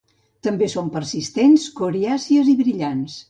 També són persistents, coriàcies i brillants.